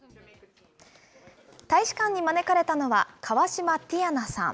大使館に招かれたのは、河島ティヤナさん。